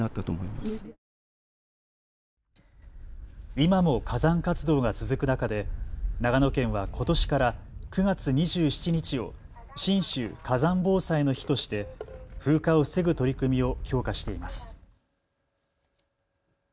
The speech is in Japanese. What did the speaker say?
今も火山活動が続く中で長野県はことしから９月２７日を信州火山防災の日として風化を防ぐ取り組みを強化しています。